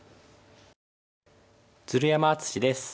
鶴山淳志です。